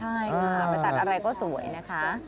ใช่ค่ะไปตัดอะไรก็สวยนะคะ